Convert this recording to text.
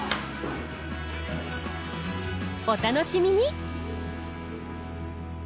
お楽しみに！